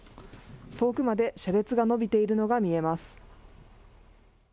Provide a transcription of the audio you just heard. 遠くまで車列が伸びているのが見えます。